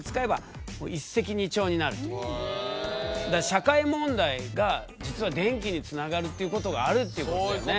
社会問題が実は電気につながるっていうことがあるっていうことだよね。